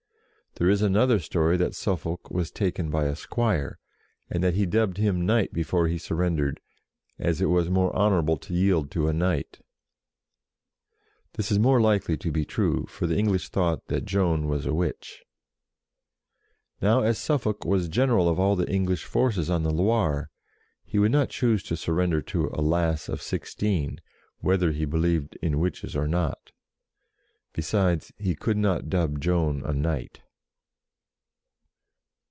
There is another story that Suffolk was taken by a squire, and that he dubbed him HOW SHE TOOK JARGEAU 53 knight before he surrendered, as it was more honourable to yield to a knight This is more likely to be true, for the English thought that Joan was a witch. Now, as Suffolk was general of all the English forces on the Loire, he would not choose to sur render to a lass of sixteen, whether he believed in witches or not Besides, he could not dub Joan a knight.